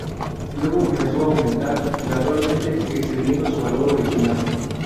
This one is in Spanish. Luego, comenzó a aumentar, gradualmente excediendo su valor original.